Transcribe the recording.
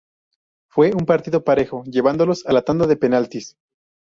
Fue un partido parejo, llevándolos a la tanda de penaltis.